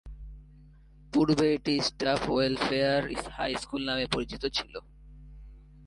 পূর্বে এটি staff welfare high school নামে পরিচিত ছিল।